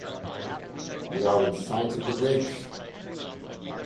We are in sight of the bridge!